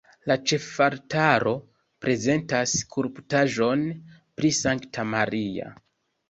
La ĉefaltaro prezentas skulptaĵon pri Sankta Maria.